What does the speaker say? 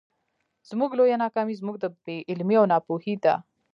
زموږ لويه ناکامي زموږ بې علمي او ناپوهي ده.